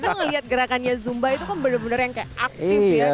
itu ngeliat gerakannya zumba itu kan bener bener yang kayak aktif ya